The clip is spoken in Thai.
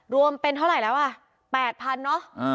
รวมเป็นเท่าไหร่แล้วอ่ะแปดพันเนอะอ่า